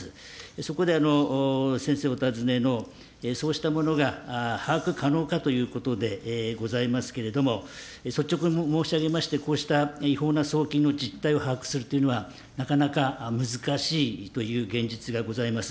そこで、先生お尋ねのそうしたものが把握可能かということでございますけれども、率直に申し上げまして、こうした違法な送金の実態を把握するというのは、なかなか難しいという現実がございます。